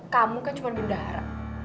kamu kan cuma bunda haram